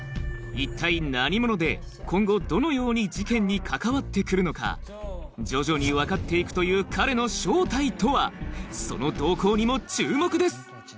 一体何者で今後どのように事件に関わって来るのか徐々に分かって行くというその動向にも注目です